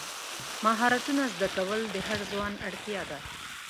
مهارتونه زده کول د هر ځوان اړتیا ده.